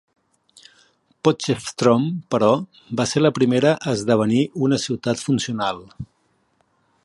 Potchefstroom, però, va ser la primera a esdevenir una ciutat funcional.